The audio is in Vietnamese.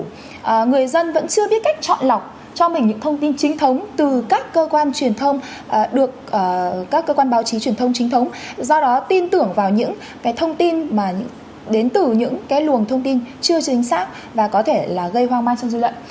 nhưng vẫn chưa biết cách chọn lọc cho mình những thông tin chính thống từ các cơ quan truyền thông được các cơ quan báo chí truyền thông chính thống do đó tin tưởng vào những cái thông tin mà đến từ những cái luồng thông tin chưa chính xác và có thể là gây hoang mang trong dư luận